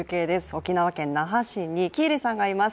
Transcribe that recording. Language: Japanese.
沖縄県那覇市に喜入さんがいます。